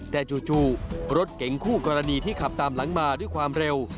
แต่จู่รถเก๋งคู่กรณีที่ขับตามหลังมาด้วยความเร็ว